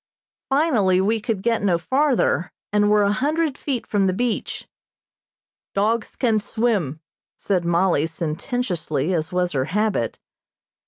Finally we could get no farther, and were a hundred feet from the beach. "Dogs can swim," said Mollie, sententiously, as was her habit.